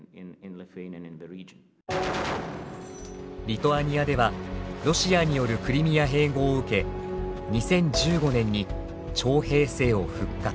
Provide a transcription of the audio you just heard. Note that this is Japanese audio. リトアニアではロシアによるクリミア併合を受け２０１５年に徴兵制を復活。